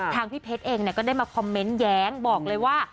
พี่เพชรเองก็ได้มาคอมเมนต์แย้งบอกเลยว่า